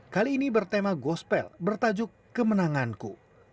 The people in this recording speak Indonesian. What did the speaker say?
kali ini bertema gospel bertajuk kemenanganku